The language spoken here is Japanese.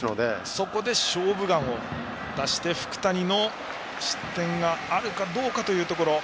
そこで「勝負眼」を出して福谷の失点があるかどうかというところ。